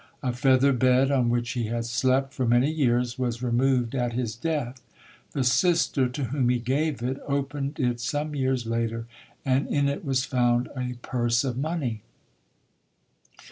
A feather bed on which he had slept for many years was removed at his death. The sister to whom he gave it opened it some years later and in it was found a purse of money.